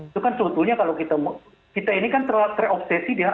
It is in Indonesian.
itu kan sebetulnya kalau kita ini kan terobsesi dengan